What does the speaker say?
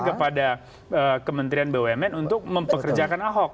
kepada kementerian bumn untuk mempekerjakan ahok